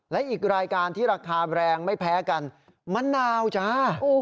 และอีกรายการที่ราคาแบรนด์ไม่แพ้กันมะนาวจ้า